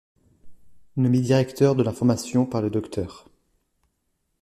Nommé directeur de l'information par le Dr.